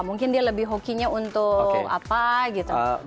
mungkin dia lebih hokinya untuk apa gitu